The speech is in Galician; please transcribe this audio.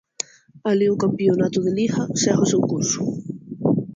Alí o campionato de Liga segue o seu curso.